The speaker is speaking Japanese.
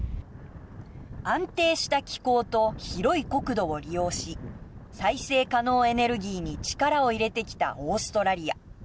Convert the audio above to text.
安定した気候と広い国土を利用し再生可能エネルギーに力を入れてきたオーストラリア。